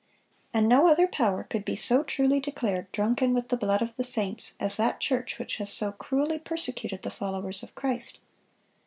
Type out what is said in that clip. And no other power could be so truly declared "drunken with the blood of the saints" as that church which has so cruelly persecuted the followers of Christ.